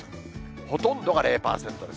ほとんどが０％です。